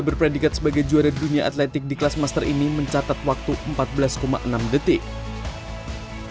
berpredikat sebagai juara dunia atletik di kelas master ini mencatat waktu empat belas enam detik